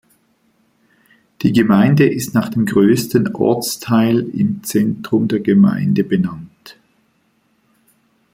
Die Gemeinde ist nach dem größten Ortsteil im Zentrum der Gemeinde benannt.